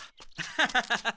ハハハハハ。